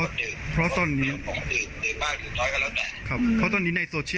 มันเพราะว่าในสมบูรณ์ผู้ต่างหากยังไม่อยากสาธิพธิพธิ์